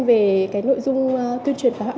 về cái nội dung tuyên truyền phá hoạng